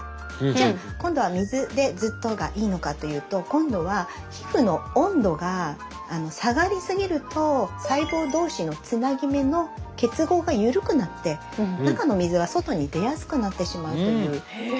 じゃあ今度は水でずっとがいいのかというと今度は皮膚の温度が下がり過ぎると細胞同士のつなぎ目の結合が緩くなって中の水は外に出やすくなってしまうという現象が起きるので。